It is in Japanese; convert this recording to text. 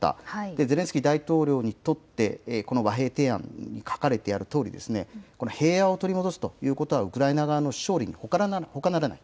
ゼレンスキー大統領にとって、この和平提案に書かれているとおり、この平和を取り戻すということはウクライナ側の勝利にほかならない。